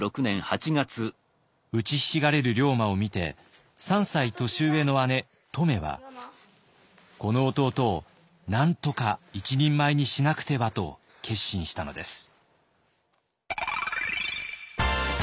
うちひしがれる龍馬を見て３歳年上の姉乙女はこの弟をなんとか一人前にしなくてはと決心したのです。